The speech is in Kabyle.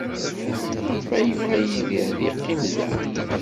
Maɣef ay yebɣa Yidir ad yeqqim da?